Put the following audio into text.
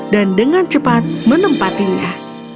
dan dengan cepat menempatinya